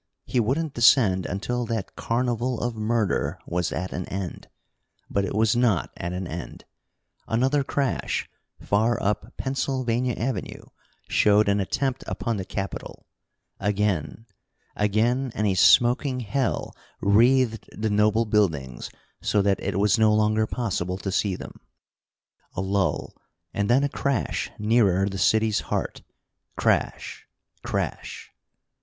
He wouldn't descend until that carnival of murder was at an end. But it was not at an end. Another crash, far up Pennsylvania Avenue, showed an attempt upon the Capitol. Again again, and a smoking hell wreathed the noble buildings so that it was no longer possible to see them. A lull, and then a crash nearer the city's heart. Crash! Crash!